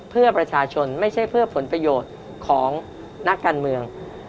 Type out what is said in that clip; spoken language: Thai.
เพื่อประชาชนไม่ใช่เพื่อผลประโยชน์ของนักการเมือง